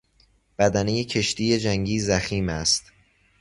بدنه کشتی جنگی ضخیم است.